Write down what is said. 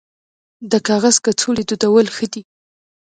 د کاغذ کڅوړې دودول ښه دي